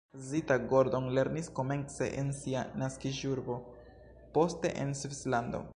Zita Gordon lernis komence en sia naskiĝurbo, poste en Svislando.